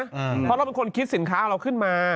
เพราะเราเป็นคนคิดสินค้าเราขึ้นมา